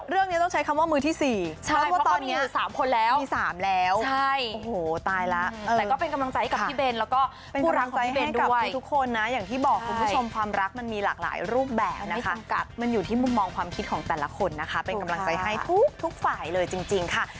เรื่องนี้ต้องใช้คำว่ามือที่สี่ใช่เพราะว่าตอนนี้มีสามคนแล้วมีสามแล้วใช่โอ้โหตายละแต่ก็เป็นกำลังใจให้กับพี่เบนแล้วก็ผู้รักของพี่เบนด้วยเป็นกำลังใจให้กับพี่ทุกคนนะอย่างที่บอกคุณผู้ชมความรักมันมีหลากหลายรูปแบบนะคะมันไม่จำกัดมันอยู่ที่มุมมองความคิดของแต่ละคนนะคะเป็นกำลังใจให้ทุกฝ่ายเลยจ